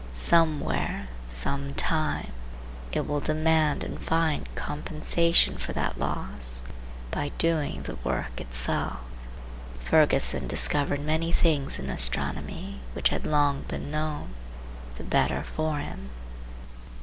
Somewhere, sometime, it will demand and find compensation for that loss, by doing the work itself. Ferguson discovered many things in astronomy which had long been known. The better for him.